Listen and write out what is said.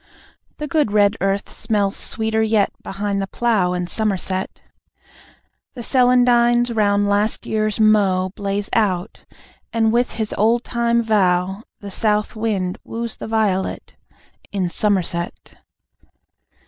The good red earth smells sweeter yet, Behind the plough, in Somerset. The celandines round last year's mow Blaze out ... and with his old time vow The South Wind woos the Violet, In Somerset.